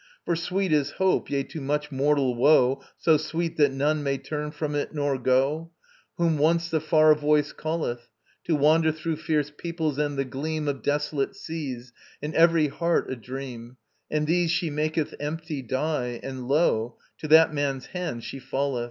For sweet is Hope, yea, to much mortal woe So sweet that none may turn from it nor go, Whom once the far voice calleth, To wander through fierce peoples and the gleam Of desolate seas, in every heart a dream: And these she maketh empty die, and, lo, To that man's hand she falleth.